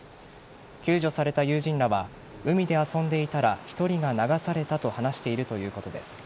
救助された友人らは海で遊んでいたら１人が流されたと話しているということです。